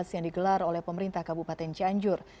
yang digelar oleh pemerintah kabupaten cianjur